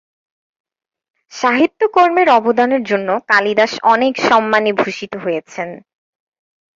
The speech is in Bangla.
সাহিত্যকর্মের অবদানের জন্য কালিদাস অনেক সম্মানে ভূষিত হয়েছেন।